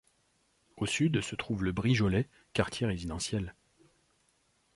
Au sud, se trouve le Brigeolet, quartier résidentiel.